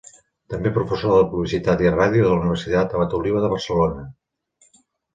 També professor de Publicitat i Ràdio de la Universitat Abat Oliva de Barcelona.